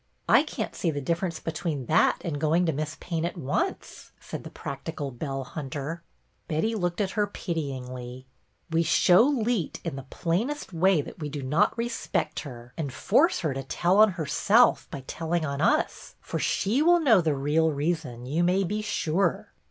" I can't see the difference between that A FEAST — NEW TEACHER 179 and going to Miss Payne at once," said the practical Belle Hunter. Betty looked at her pityingly. "We show Leet in the plainest way that we do not respect her, and force her to tell on herself by telling on us, for she will know the real reason, you may be sure."